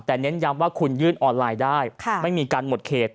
แต่เน้นย้ำว่าคุณยื่นออนไลน์ได้ไม่มีการหมดเขต